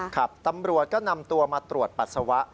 ครับตำรวจก็นำตัวมาตรวจปัสสาวะ